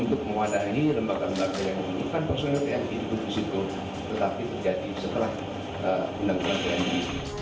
ini lembaga lembaga yang bukan persoal tni tetapi terjadi setelah undang undang tni